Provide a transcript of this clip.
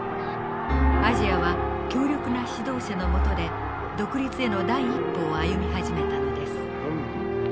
アジアは強力な指導者の下で独立への第一歩を歩み始めたのです。